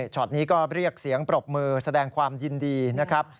นี้ก็เรียกเสียงปรบมือแสดงความยินดีนะครับ